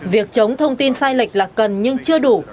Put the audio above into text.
việc chống thông tin sai lệch là cần nhưng chưa đủ